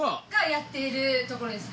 やっているとこです。